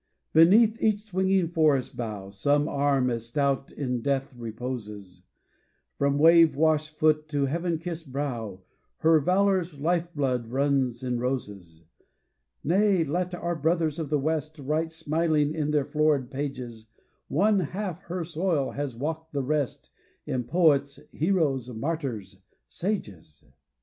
Beneath each swinging forest bough Some arm as stout in death reposes, From wave washed foot to heaven kissed brow Her valour's life blood runs in roses; Nay, let our brothers of the West Write smiling in their florid pages, One half her soil has walked the rest In poets, heroes, martyrs, sages!